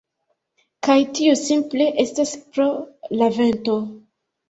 Kaj tio simple estas pro la vento.